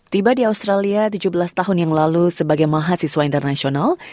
tiba di australia tujuh belas tahun yang lalu sebagai mahasiswa internasional